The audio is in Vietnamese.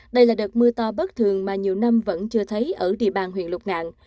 đây là đợt mưa to bất thường mà nhiều năm vẫn chưa thấy ở địa bàn huyện lục ngạn